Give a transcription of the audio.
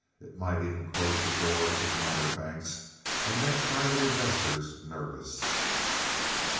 It might even close the doors of minor banks and make private investors nervous.